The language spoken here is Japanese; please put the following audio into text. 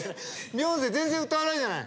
ビヨンセ全然歌わないじゃない！